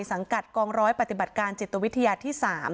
สังกัดกองร้อยปฏิบัติการจิตวิทยาที่๓